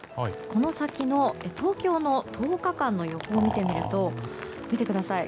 この先の東京の１０日間の予報を見てみると、見てください